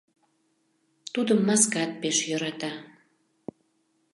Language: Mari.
Тудым маскат пеш йӧрата.